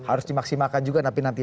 harus dimaksimalkan juga nanti